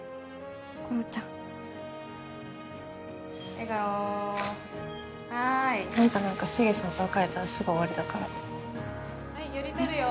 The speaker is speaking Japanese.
笑顔はーいあんたなんかしげさんと別れたらすぐ終わりだからはい寄り撮るよ